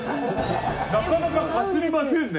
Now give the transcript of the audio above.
なかなかかすりませんね。